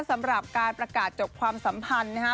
สำหรับการประกาศจบความสัมพันธ์นะฮะ